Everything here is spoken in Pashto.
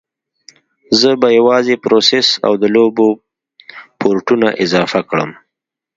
زه به موازي پروسس او د لوبو پورټونه اضافه کړم